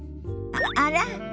あら？